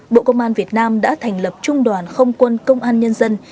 bộ công an việt nam đã thành lập trung đoàn không quân công an nhân dân